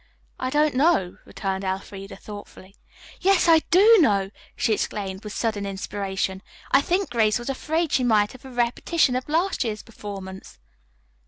"I don't know," returned Elfreda thoughtfully. "Yes, I do know!" she exclaimed with sudden inspiration. "I think Grace was afraid she might have a repetition of last year's performance."